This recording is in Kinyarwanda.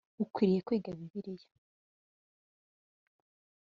ukwiriye kwiga Bibiliya